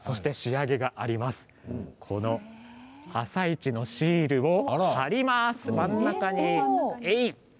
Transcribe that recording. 「あさイチ」のシールを貼ります。